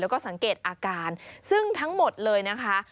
แล้วก็สังเกตอาการซึ่งทั้งหมดเลยนะคะ